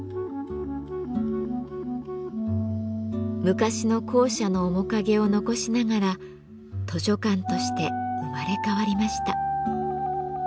昔の校舎の面影を残しながら図書館として生まれ変わりました。